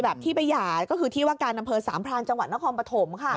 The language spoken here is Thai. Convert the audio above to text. ก็คือที่จำกัดว่าการดำเพิ่ลสามพรานจังหวัดณครปฐม